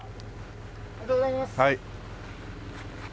ありがとうございます。